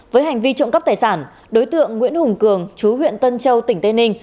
với hành vi trộm cắp tài sản đối tượng nguyễn hùng cường chú huyện tân châu tỉnh tây ninh